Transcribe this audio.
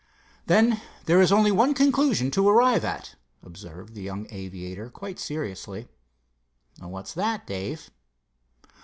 "Then there is only one conclusion to arrive at," observed the young aviator quite seriously. "What's that, Dave?"